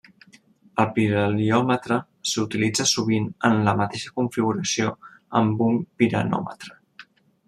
El pirheliòmetre s'utilitza sovint en la mateixa configuració amb un piranòmetre.